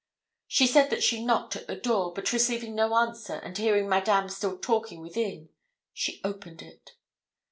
She said that she knocked at the door, but receiving no answer, and hearing Madame still talking within, she opened it.